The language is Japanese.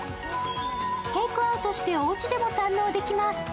テイクアウトして、おうちでも堪能できます。